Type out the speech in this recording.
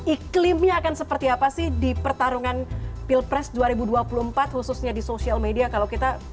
iklimnya akan seperti apa sih di pertarungan pilpres dua ribu dua puluh empat khususnya di social media kalau kita